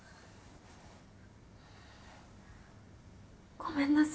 ごめんなさい。